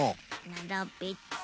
ならべて。